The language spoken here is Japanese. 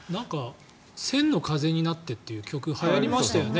「千の風になって」という曲、はやりましたよね。